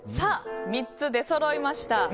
３つ、出そろいました。